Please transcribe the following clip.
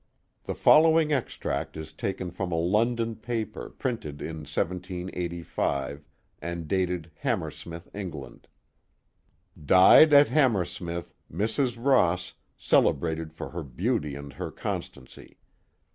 The following extract is taken from a London paper, printed in 1785, and dated Hammersmith, England: Died, at Hammersmith, Mrs, Ross, celebrated for her beauty constancy.